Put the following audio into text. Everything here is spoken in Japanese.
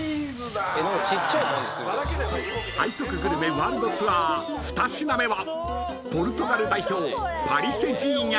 ［背徳グルメワールドツアー二品目は］